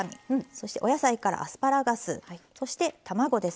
そしてお野菜からアスパラガスそして卵ですね。